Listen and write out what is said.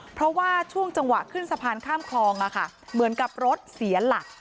เพราะว่าช่วงจังหวะขึ้นสะพานข้ามคลองเหมือนกับรถเสียหลัก